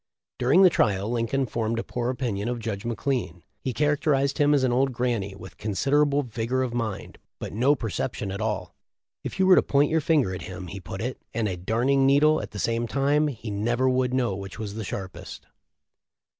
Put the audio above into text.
During the trial Lincoln formed a poor opinion of Judge McLean. He characterized him as an "old granny," with consid erable vigor of mind, but no perception at all. "If you were to point your finger at him," he put it, "and a darning needle at the same time he never would know which was the sharpest."